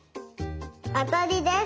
あたりです。